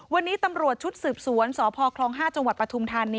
วันนี้ตำรวจชุดสืบสวนสพคล๕จปฐน